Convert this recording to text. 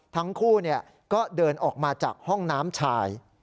ทั้งคู่ก็เดินออกมาจากห้องน้ำชาย